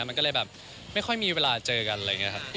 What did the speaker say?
มันก็เลยแบบไม่ค่อยมีเวลาเจอกันอะไรอย่างนี้ครับ